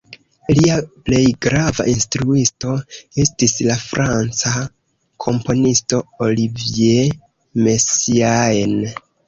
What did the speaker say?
Lia plej grava instruisto estis la franca komponisto Olivier Messiaen.